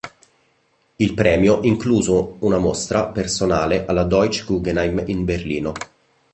Il premio incluso una mostra personale alla Deutsche Guggenheim in Berlino.